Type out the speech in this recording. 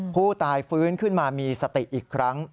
ผู้ตายฟื้นขึ้นมามีสติอีกครั้ง